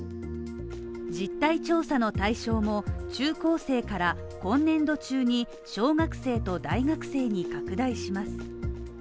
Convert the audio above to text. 実態調査の対象も中高生から、今年度中に小学生と大学生に拡大します。